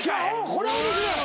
これは面白い。